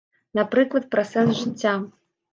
Напрыклад, пра сэнс жыцця.